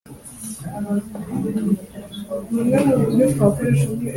nyoko aragacu mitwa ac ugusa umwoyo na bwo ubuzutu